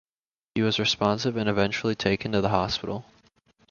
He was responsive and eventually taken to the hospital.